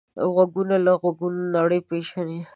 غوږونه له غږونو نړۍ پېژني